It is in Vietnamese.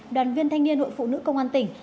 đoàn viên thanh niên hội phụ nữ công an tỉnh